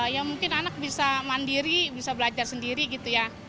ya mungkin anak bisa mandiri bisa belajar sendiri gitu ya